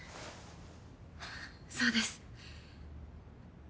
そうです。